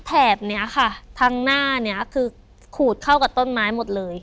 แถบนี้ค่ะทางหน้านี้คือขูดเข้ากับต้นไม้หมดเลย